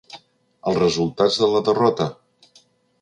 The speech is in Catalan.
Els resultats de la derrota?